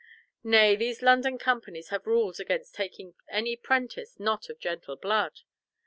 Nay, these London companies have rules against taking any prentice not of gentle blood.